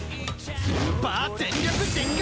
スーパー全力全開！